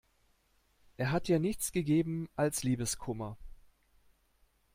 Er hat dir nichts gegeben als Liebeskummer.